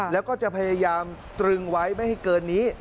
แล้วก็จะพยายามตรึงไว้ไม่ให้เกินนี้